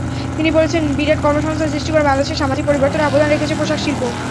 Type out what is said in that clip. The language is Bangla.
তিনি বলেছেন, বিরাট কর্মসংস্থান সৃষ্টি করে বাংলাদেশের সামাজিক পরিবর্তনে অবদান রেখেছে পোশাকশিল্প।